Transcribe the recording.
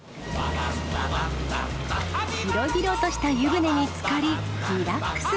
広々とした湯船につかりリラックス。